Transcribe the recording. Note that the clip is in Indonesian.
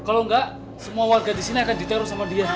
kalau enggak semua warga di sini akan ditaruh sama dia